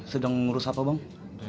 sedang mengurus apa bang